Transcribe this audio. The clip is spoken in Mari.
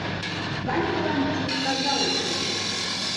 Санькалан Тимка жалын чучо.